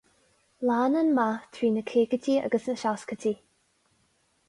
Lean an meath trí na caogaidí agus na seascaidí.